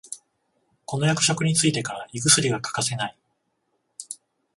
この役職についてから胃薬が欠かせない